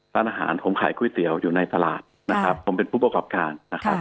ร้านอาหารผมขายก๋วยเตี๋ยวอยู่ในตลาดนะครับผมเป็นผู้ประกอบการนะครับ